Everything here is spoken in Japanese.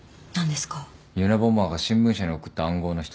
ユナボマーが新聞社に送った暗号の一つです。